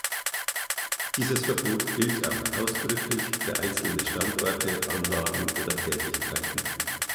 Dieses Verbot gilt auch ausdrücklich für einzelne Standorte, Anlagen oder Tätigkeiten.